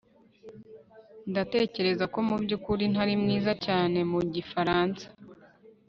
Ndatekereza ko mubyukuri ntari mwiza cyane mu gifaransa